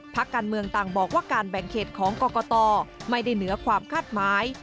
พักการเมืองต่างบอกว่าการแบ่งเขตของกรกตไม่ได้เหนือความคาดหมาย